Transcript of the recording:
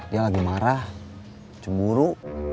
dia lagi marah cemburu